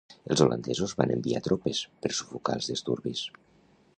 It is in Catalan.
Els holandesos van enviar tropes per sufocar els disturbis.